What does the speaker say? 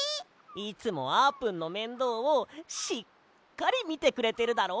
いつもあーぷんのめんどうをしっかりみてくれてるだろ？